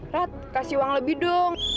rat kasih uang lebih dong